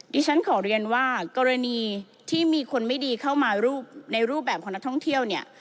ดิฉันขอเรียนว่ากรณีที่มีคนไม่ดีเข้ามาในรูปแบบของนักท่องเที่ยวเนี่ย